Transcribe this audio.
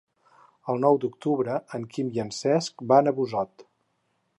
El nou d'octubre en Quim i en Cesc van a Busot.